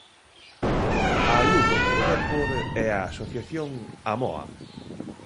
A Lugo co Depor e a asociación A Moa.